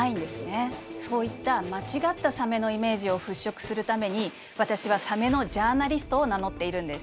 そういった間違ったサメのイメージを払拭するために私はサメのジャーナリストを名乗っているんです。